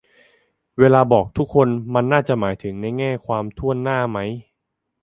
เวลาบอก "ทุกคน" มันน่าจะหมายถึงในแง่ความถ้วนหน้าไหม